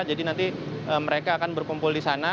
jadi nanti mereka akan berkumpul di sana